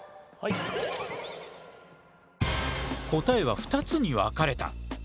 答えは２つに分かれた。